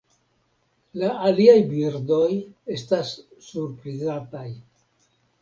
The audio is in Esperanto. La aliaj birdoj estas surprizataj.